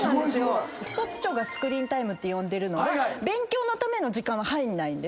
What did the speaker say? スポーツ庁がスクリーンタイムって呼んでるのが勉強のための時間は入んない。